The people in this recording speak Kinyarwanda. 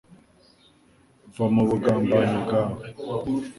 va mu bu gambanyi bwawe.